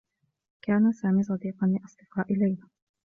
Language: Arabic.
كان سامي صديقا لأصدقاء ليلى.